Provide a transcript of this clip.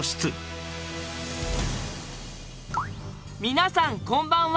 皆さんこんばんは。